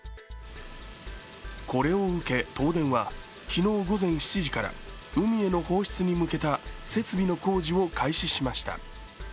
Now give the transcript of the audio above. これを受け東電は昨日午前７時から、海への放出に向けた設備の工事を開始しました。